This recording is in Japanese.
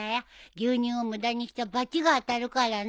牛乳を無駄にしちゃ罰が当たるからね。